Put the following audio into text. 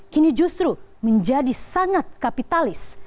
kini justru menjadi sangat kapitalis